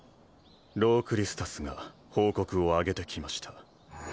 ロー・クリスタスが報告をあげてきました